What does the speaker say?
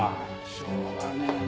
しょうがねえな。